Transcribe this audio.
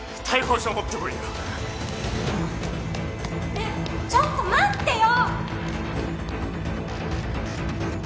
ねえちょっと待ってよ！